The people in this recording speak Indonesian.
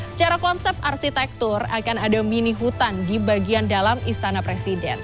secara konsep arsitektur akan ada mini hutan di bagian dalam istana presiden